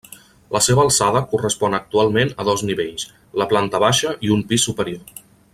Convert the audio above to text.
La seva alçada correspon actualment a dos nivells, la planta baixa i un pis superior.